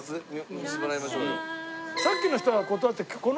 見せてもらいましょうよ。